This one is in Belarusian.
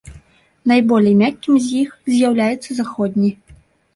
Найболей мяккім з іх з'яўляецца заходні.